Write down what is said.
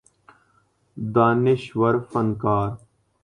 دانشور فنکار